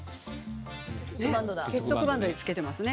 結束バンドで付けていますね。